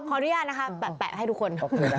ขออนุญาตนะคะแปะให้ทุกคน